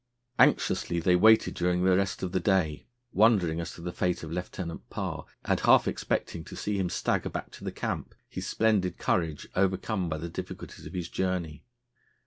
'" Anxiously they waited during the rest of the day, wondering as to the fate of Lieutenant Parr, and half expecting to see him stagger back to the camp, his splendid courage overcome by the difficulties of his journey.